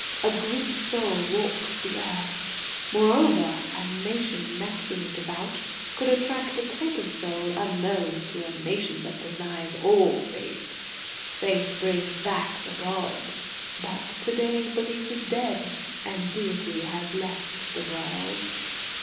A Group soul walks the earth. Moreover, a nation naturally devout could attract a type of soul unknown to a nation that denies all faith. Faith brings back the gods.... But to day belief is dead, and Deity has left the world."